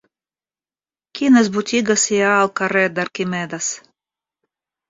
Quines botigues hi ha al carrer d'Arquímedes?